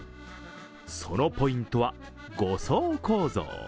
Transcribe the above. そのポイントは５層構造。